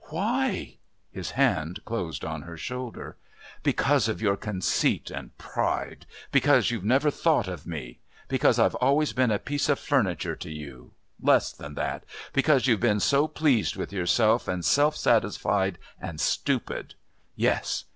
"Why?" His hand closed on her shoulder. "Because of your conceit and pride. Because you've never thought of me. Because I've always been a piece of furniture to you less than that. Because you've been so pleased with yourself and well satisfied and stupid. Yes.